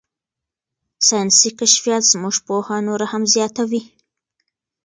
ساینسي کشفیات زموږ پوهه نوره هم زیاتوي.